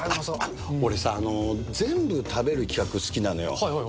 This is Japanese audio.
俺さ、全部食べる企画、好きなのよ。